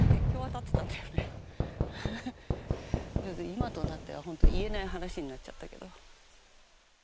今となっては言えない話になっちゃったけど。